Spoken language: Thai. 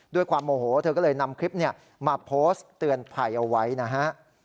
ด้วยความโมโหเธอก็เลยนำคลิปมาโพสต์เตือนภัยเอาไว้นะฮะ